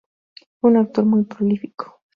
Fue un autor muy prolífico.